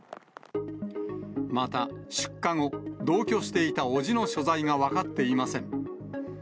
また出火後、同居していた伯父の所在が分かっていません。